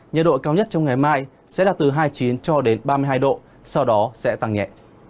nhiệt độ cao nhất trong ngày mai sẽ là từ hai mươi chín cho đến ba mươi hai độ sau đó sẽ tăng nhẹ